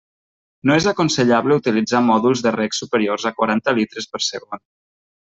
No és aconsellable utilitzar mòduls de reg superiors a quaranta litres per segon.